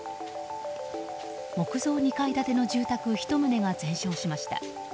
木造２階建ての住宅１棟が全焼しました。